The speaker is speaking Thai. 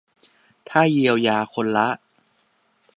ถ้าเยียวยาคนละ